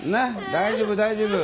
大丈夫大丈夫。